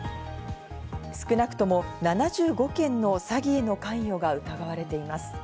少なくとも７５件の詐欺への関与が疑われています。